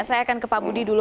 saya akan ke pak budi dulu